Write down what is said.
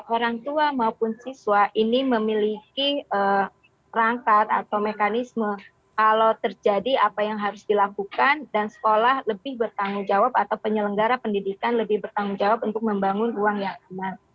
orang tua maupun siswa ini memiliki perangkat atau mekanisme kalau terjadi apa yang harus dilakukan dan sekolah lebih bertanggung jawab atau penyelenggara pendidikan lebih bertanggung jawab untuk membangun ruang yang aman